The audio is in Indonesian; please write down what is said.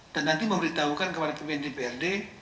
dan nanti memberitahukan kepada pimpinan dprd